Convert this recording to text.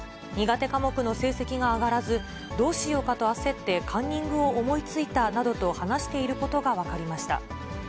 苦手科目の成績が上がらず、どうしようかと焦ってカンニングを思いついたなどと話していることが分かりました。